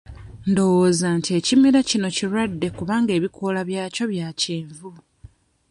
Ndowooza nti ekimera kino kirwadde kubanga ebikoola byakyo bya kyenvu.